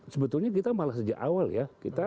sebetulnya kita malah sejak awal ya